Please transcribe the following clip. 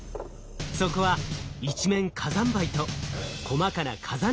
そこは一面火山灰と細かな火山